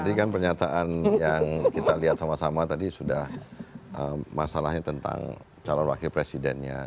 tadi kan pernyataan yang kita lihat sama sama tadi sudah masalahnya tentang calon wakil presidennya